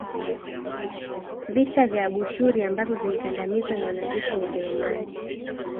Vita vya Abushuri ambavyo vilikandamizwa na wanajeshi wa Ujerumani